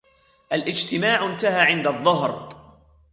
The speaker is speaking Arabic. الاجتماع انتهى عند الظهر.